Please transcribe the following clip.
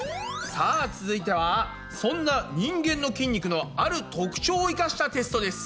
さあ続いてはそんな人間の筋肉のある特徴を生かしたテストです。